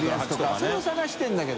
それを探してるんだけど。